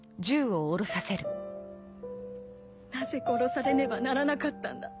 なぜ殺されねばならなかったんだ？